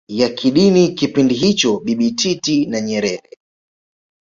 ya kidini kipindi hicho Bibi Titi na Nyerere